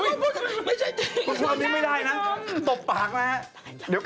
ทีมเป้ย